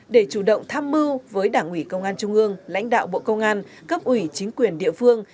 để chủ động tham mưu với đảng ủy công an trung ương lãnh đạo bộ công an cấp ủy chính quyền địa phương